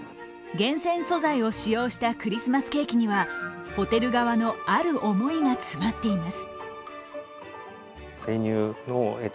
厳選素材を使用したクリスマスケーキにはホテル側のある思いが詰まっています。